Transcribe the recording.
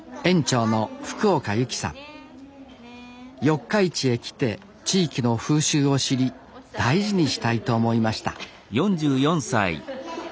四日市へ来て地域の風習を知り大事にしたいと思いました。